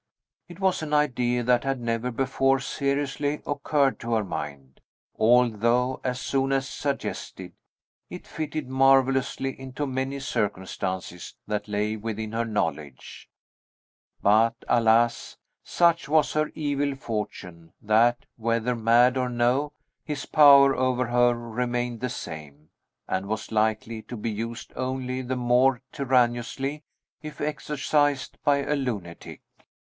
It was an idea that had never before seriously occurred to her mind, although, as soon as suggested, it fitted marvellously into many circumstances that lay within her knowledge. But, alas! such was her evil fortune, that, whether mad or no, his power over her remained the same, and was likely to be used only the more tyrannously, if exercised by a lunatic.